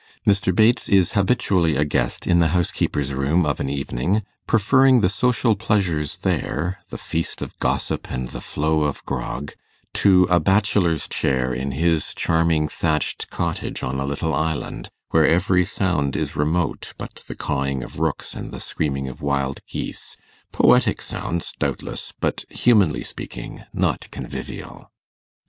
Mr. Bates is habitually a guest in the housekeeper's room of an evening, preferring the social pleasures there the feast of gossip and the flow of grog to a bachelor's chair in his charming thatched cottage on a little island, where every sound is remote, but the cawing of rooks and the screaming of wild geese, poetic sounds, doubtless, but, humanly speaking, not convivial.